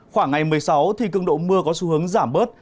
khoảng ngày một mươi sáu thì cường độ mưa có xu hướng giảm bớt